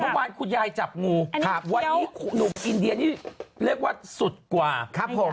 เมื่อวานคุณยายจับงูวันนี้หนุ่มอินเดียนี่เรียกว่าสุดกว่าครับผม